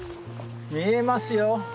見えますよ。